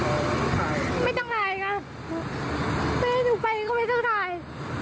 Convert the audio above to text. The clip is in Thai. ก็ไม่ต้องถ่ายกันไม่ให้หนูไปก็ไม่ต้องถ่าย